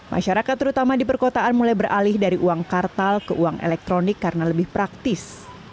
masyarakat terutama di perkotaan mulai beralih dari uang kartal ke uang elektronik karena lebih praktis